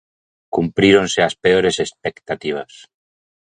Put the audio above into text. Cumpríronse as peores expectativas.